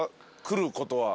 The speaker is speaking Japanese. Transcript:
来ることは。